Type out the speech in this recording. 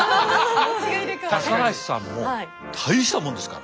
高橋さんも大したもんですから。